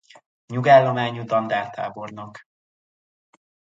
Nyugállományú dandártábornok.